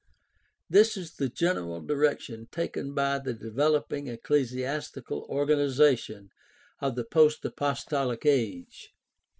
This is the general direction taken by the developing ecclesi astical organization of the post apostolic age.